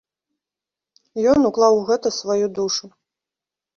Ён уклаў у гэта сваю душу.